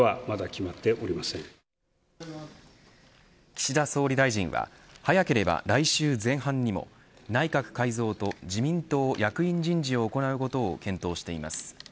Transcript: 岸田総理大臣は早ければ来週前半にも内閣改造と自民党役員人事を行うことを検討しています。